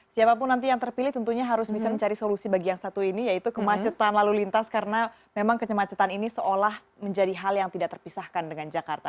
siapapun nanti yang terpilih tentunya harus bisa mencari solusi bagi yang satu ini yaitu kemacetan lalu lintas karena memang kemacetan ini seolah menjadi hal yang tidak terpisahkan dengan jakarta